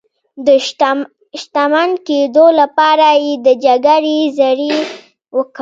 د شتمن کېدو لپاره یې د جګړې زړي وکرل.